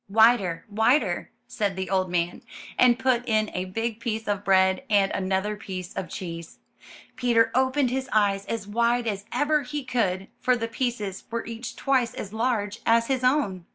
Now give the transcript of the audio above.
'Wider, wider, said the old man, and put in a big piece of bread and another piece of cheese. Peter opened his eyes as wide as ever he could, for the pieces were each twice as large as his own.